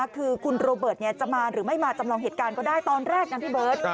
คือคุณโรเบิร์ตจะมาหรือไม่มาจำลองเหตุการณ์ก็ได้ตอนแรกนะพี่เบิร์ต